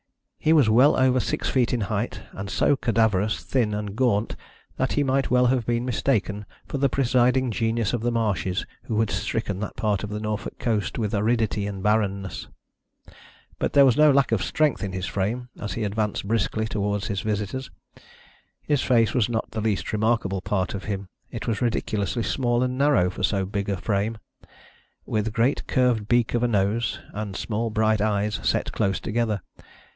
He was well over six feet in height, and so cadaverous, thin and gaunt that he might well have been mistaken for the presiding genius of the marshes who had stricken that part of the Norfolk coast with aridity and barrenness. But there was no lack of strength in his frame as he advanced briskly towards his visitors. His face was not the least remarkable part of him. It was ridiculously small and narrow for so big a frame, with a great curved beak of a nose, and small bright eyes set close together.